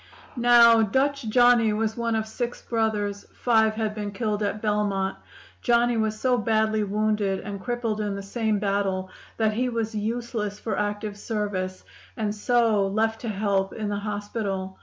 "Now, 'Dutch Johnny' was one of six brothers; five had been killed at Belmont; Johnny was so badly wounded and crippled in the same battle that he was useless for active service, and so left to help in the hospital.